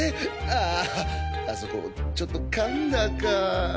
ああそこちょっとかんだか。